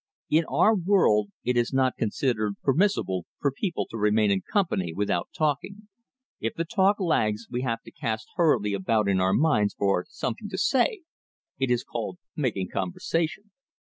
In our world it is not considered permissible for people to remain in company without talking. If the talk lags, we have to cast hurriedly about in our minds for something to say it is called "making conversation."